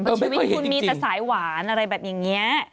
เพราะชีวิตที่คุณมีแต่สายหวานอะไรแบบอย่างนี้